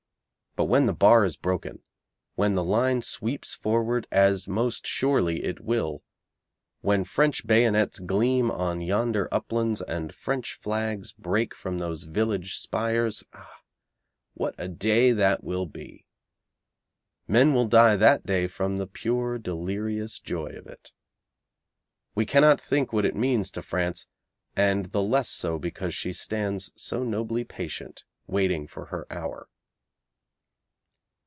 But when the bar is broken, when the line sweeps forward, as most surely it will, when French bayonets gleam on yonder uplands and French flags break from those village spires ah, what a day that will be! Men will die that day from the pure, delirious joy of it. We cannot think what it means to France, and the less so because she stands so nobly patient waiting for her hour.